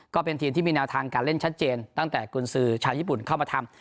ก็เป็นทีมที่มีแนวทางการเล่นชัดเจนตั้งแต่กุญสือชาวญี่ปุ่นเข้ามาทำ